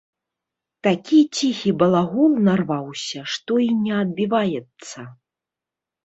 Такі ціхі балагол нарваўся, што і не адбіваецца.